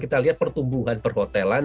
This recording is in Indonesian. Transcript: kita lihat pertumbuhan perhotelan